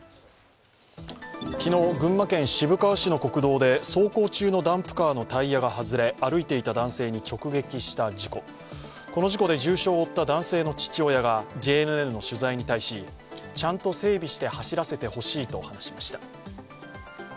昨日、群馬県渋川市の国道で走行中のダンプカーのタイヤが外れ、歩いていた男性に直撃した事故この事故で重傷を負った男性の父親がＪＮＮの取材に対しちゃんと整備して走らせてほしいと話しました。